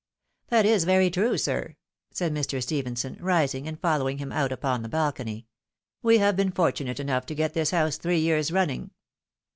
" That is very true, sir," said Mr. Stephenson, rising, and following him out upon the balcony. " We have been fortunate enough to get this house three years running."